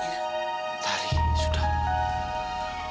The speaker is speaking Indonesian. tari sudah jangan nangis